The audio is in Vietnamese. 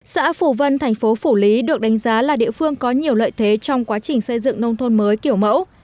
xã phủ vân thành phố phủ lý được đánh giá là địa phương có nhiều lợi thế trong quá trình xây dựng nông thôn mới kiểu mẫu